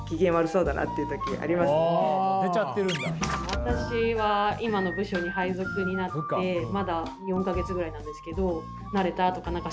私は今の部署に配属になってまだ４か月ぐらいなんですけど